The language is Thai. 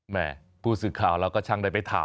แม่ผู้สื่อข่าวแล้วก็ช่างได้ไปถาม